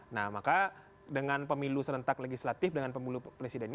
nah maka dengan pemilu serentak legislatif dengan pemilu presiden ini